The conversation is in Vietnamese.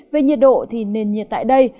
về nhiệt độ thì nền nhiệt tại đây